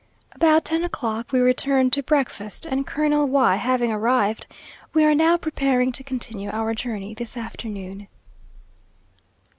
About ten o'clock we returned to breakfast; and Colonel Y having arrived, we are now preparing to continue our journey this afternoon.